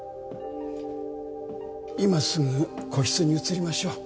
今すぐ個室に移りましょう。